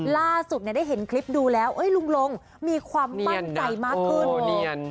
ล่าสุดได้เห็นคลิปดูแล้วลุงลงมีความมั่นใจมากขึ้น